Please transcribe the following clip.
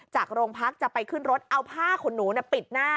จากโรงพักจะไปขึ้นรถเอาผ้าขนหนูปิดหน้า